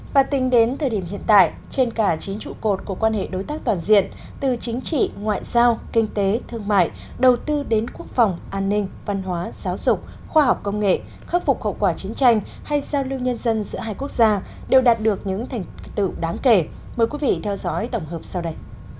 và tính đến thời điểm hiện tại trên cả chín trụ cột của quan hệ đối tác toàn diện từ chính trị ngoại giao kinh tế thương mại đầu tư đến quốc phòng an ninh văn hóa giáo dục khoa học công nghệ khắc phục hậu quả chiến tranh hay giao lưu nhân dân giữa hai quốc gia đều đạt được những thành tựu đáng kể mời quý vị theo dõi tổng hợp sau đây